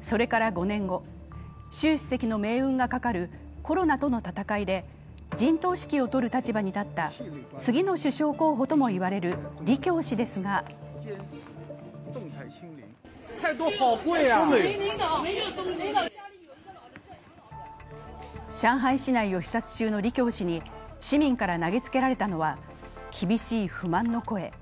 それから５年後、習主席の命運がかかるコロナとの闘いで陣頭指揮を執る立場に立った次の首相候補ともいわれる李強氏ですが上海市内を視察中の李強氏に市民から投げつけられたのは厳しい不満の声。